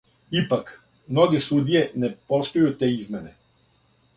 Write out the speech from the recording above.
Ипак, многе судије не поштује те измене.